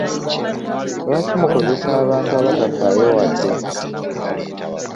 Lwaki mukozesa abantu abatafaayo wadde?